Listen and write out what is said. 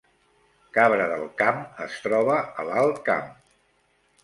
Cabra del Camp es troba a l’Alt Camp